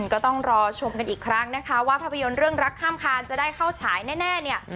ก็ต้องรอชมกันอีกครั้งนะคะว่าภาพยนตร์เรื่องรักข้ามคานจะได้เข้าฉายแน่เนี่ย